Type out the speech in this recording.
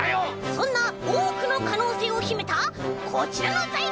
そんなおおくのかのうせいをひめたこちらのざいりょうにせまります！